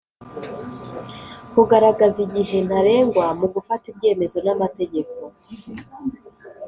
kugaragaza igihe ntarengwa mu gufata ibyemezo n'amategeko